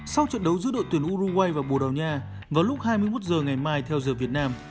sau trận đấu giữa đội tuyển uruguay và bồ đào nha vào lúc hai mươi một h ngày mai theo giờ việt nam